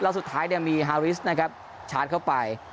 แล้วสุดท้ายมีฮาริสนะครับชาร์จเข้าไป